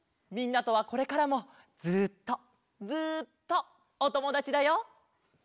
みんなとはこれからもずっとずっとおともだちだよ！